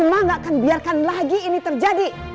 mama gak akan biarkan lagi ini terjadi